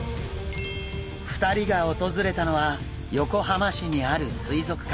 ２人が訪れたのは横浜市にある水族館。